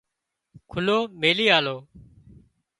کُلو ميلي آليو